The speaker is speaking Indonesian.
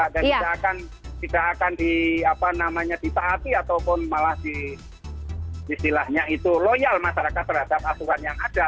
dan tidak akan di apa namanya di taati ataupun malah di istilahnya itu loyal masyarakat terhadap aturan yang ada